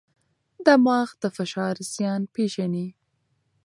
دماغ د فشار زیان پېژني.